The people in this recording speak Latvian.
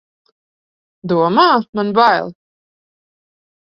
Domā, man bail!